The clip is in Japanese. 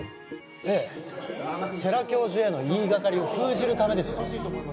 ええ世良教授への言いがかりを封じるためです